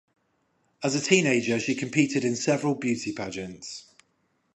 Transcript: As a teenager she competed in several beauty pageants.